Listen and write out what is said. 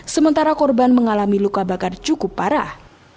sementara korban mengalami luka bakar cukup parah